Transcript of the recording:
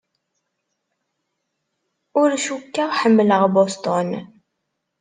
Ur cukkeɣ ḥemmleɣ Boston.